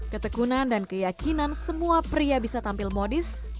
ketekunan dan keyakinan semua pria bisa tampil modis